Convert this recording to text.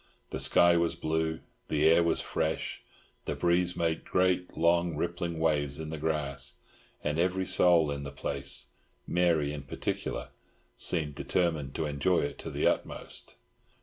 The sky was blue, the air was fresh, the breeze made great, long, rippling waves in the grass, and every soul in the place—Mary in particular—seemed determined to enjoy it to the utmost.